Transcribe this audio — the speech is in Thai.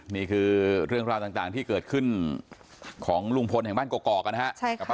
นี่คือเรื่องราวต่างที่เกิดขึ้นของลุงพลแห่งบ้านกอกนะครับ